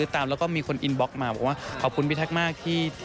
แต่มาบอกมั่วโซ่ถูกครับ